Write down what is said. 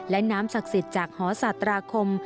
และน้ำศักดิ์สิทธิ์จากหอสาตราคม